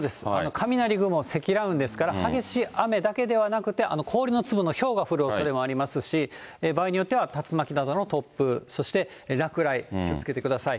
雷雲、積乱雲ですから、激しい雨だけではなくて、氷の粒のひょうが降るおそれもありますし、場合によっては竜巻などの突風、そして落雷、気をつけてください。